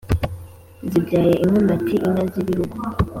zibyaye inkomati inka z'ibihugu.